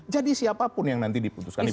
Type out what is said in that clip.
jadi siapapun yang nanti diputuskan